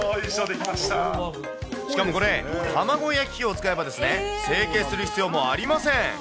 しかもこれ、卵焼き器を使えば成形する必要もありません。